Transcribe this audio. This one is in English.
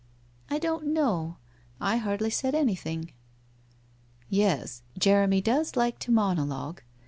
* T don't know. I hardly said anything.' * Yes, Jeremy does so like to monologue.